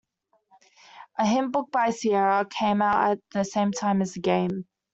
A hint book by Sierra came out at the same time as the game.